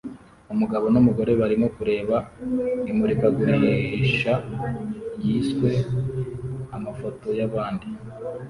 Umugabo numugore barimo kureba imurikagurisha ryiswe 'Amafoto Yabandi'